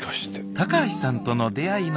高橋さんとの出会いの